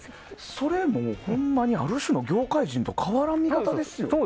それ、ほんまに、ある種の業界人と変わらない見方ですよ。